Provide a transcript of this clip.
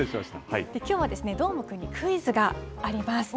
きょうはどーもくんにクイズがあります。